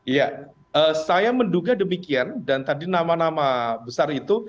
ya saya menduga demikian dan tadi nama nama besar itu